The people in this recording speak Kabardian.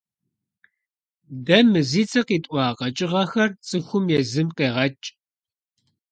Дэ мы зи цӀэ къитӀуа къэкӀыгъэхэр цӀыхум езым къегъэкӀ.